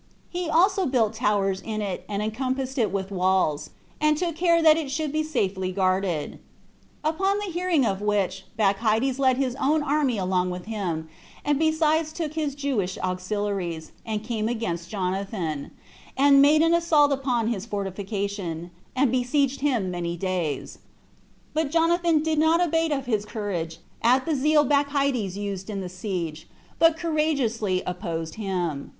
He also built towers in it, and encompassed it with walls, and took care that it should be safely guarded. Upon the hearing of which Bacchides led his own army along with him, and besides took his Jewish auxiliaries, and came against Jonathan, and made an assault upon his fortifications, and besieged him many days; but Jonathan did not abate of his courage at the zeal Bacchides used in the siege, but courageously opposed him.